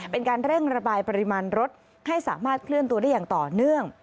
เป็นการเร่งระบายปริมาณรถให้สามารถเคลื่อนตัวได้อย่างต่อเนื่อง